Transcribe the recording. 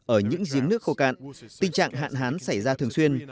ở những giếng nước khô cạn tình trạng hạn hán xảy ra thường xuyên